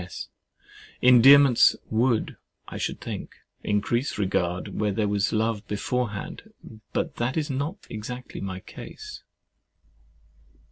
S. Endearments would, I should think, increase regard, where there was love beforehand; but that is not exactly my case.